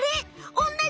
おんなじ！